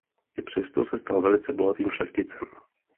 I přesto se stal velice bohatým šlechticem.